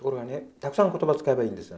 たくさん言葉使えばいいんです。